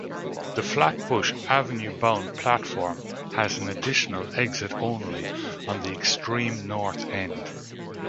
The Flatbush Avenue-bound platform has an additional exit-only on the extreme north end.